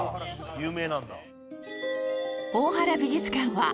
有名なんだ。